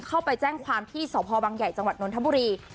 เข้าไปแจ้งความที่สพบังใหญ่จังหวัดนทบุรี